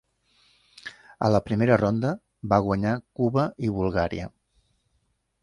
A la primera ronda, va guanyar Cuba i Bulgària.